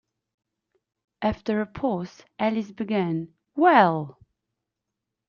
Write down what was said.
After a pause, Alice began, ‘Well!’